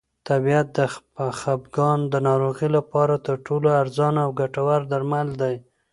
طبیعت د خپګان د ناروغۍ لپاره تر ټولو ارزانه او ګټور درمل دی.